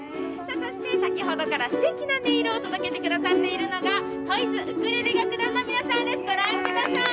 そして先ほどからすてきな音色を届けてくださっているのがトイズウクレレ楽団の皆さんです。